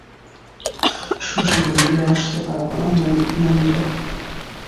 শশী বলিল, আসতে পারব না নন্দ।